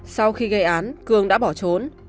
sau khi gây án cường đã bỏ trốn